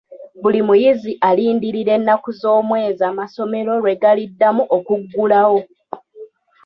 Buli muyizi alindirira ennaku z'omwezi amasomero lwe galiddamu okuggulawo.